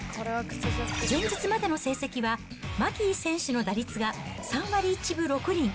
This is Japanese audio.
前日までの成績は、マギー選手の打率が３割１分６厘。